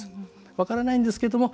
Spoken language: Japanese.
分からないんですけれども。